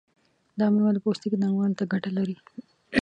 دا میوه د پوستکي نرموالي ته ګټه لري.